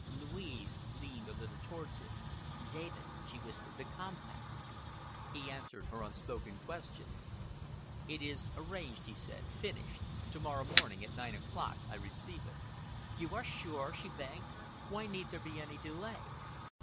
Louise leaned a little towards him. "David," she whispered, "the compact!" He answered her unspoken question. "It is arranged," he said,—"finished. To morrow morning at nine o'clock I receive it." "You are sure?" she begged. "Why need there be any delay?"